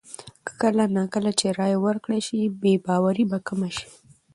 کله نا کله چې رایه ورکړل شي، بې باوري به کمه شي.